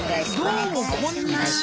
どうもこんにちは。